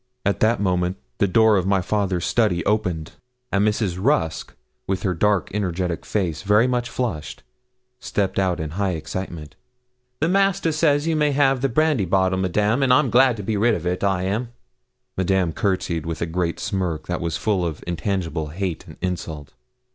At that moment the door of my father's study opened, and Mrs. Rusk, with her dark energetic face very much flushed, stepped out in high excitement. 'The Master says you may have the brandy bottle, Madame and I'm glad to be rid of it I am.' Madame courtesied with a great smirk, that was full of intangible hate and insult.